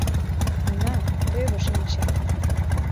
— Уна, тӧвӧ шинча.